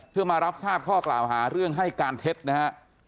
เพื่อมารับทราบข้อกล่าวหาเรื่องให้การเท็จนะฮะ